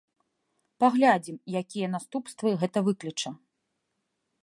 Паглядзім, якія наступствы гэта выкліча.